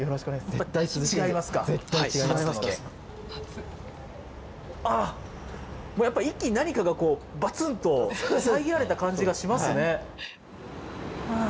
絶対違いますのでああっ、もうやっぱり、一気に何かがばつんと遮られた感じがしますね。